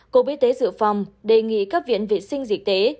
cổ bí tế dự phòng đề nghị các viện vệ sinh dịch tế